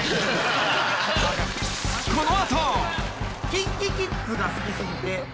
ＫｉｎＫｉＫｉｄｓが好き過ぎて。